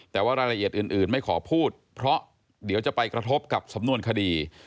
แต่ว่ารายละเอียดอื่นไม่ขอพูดเพราะเดี๋ยวจะไปกระทบกับสำนวนคดี